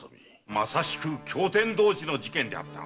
まさしく驚天動地の事件であった。